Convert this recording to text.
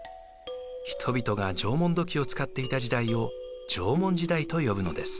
人々が縄文土器を使っていた時代を縄文時代と呼ぶのです。